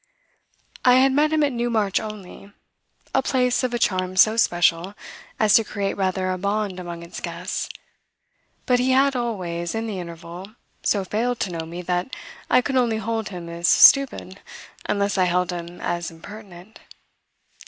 I had met him at Newmarch only a place of a charm so special as to create rather a bond among its guests; but he had always, in the interval, so failed to know me that I could only hold him as stupid unless I held him as impertinent.